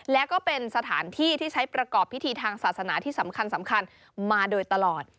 แล้วก็เป็นสถานที่ที่ใช้ประกอบพิธีทางศาสนาที่สำคัญมาโดยตลอด